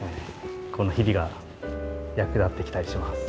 このひびが役立ってきたりします。